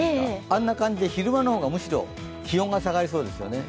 あんな感じで昼間の方がむしろ気温が下がりそうですね。